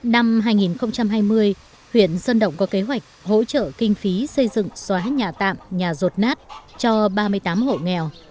năm hai nghìn hai mươi huyện sơn động có kế hoạch hỗ trợ kinh phí xây dựng xóa hết nhà tạm nhà rột nát cho ba mươi tám hộ nghèo